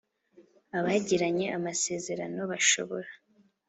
Abagiranye amasezerano bashobora